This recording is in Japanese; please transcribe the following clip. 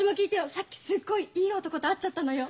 さっきすっごいいい男と会っちゃったのよ。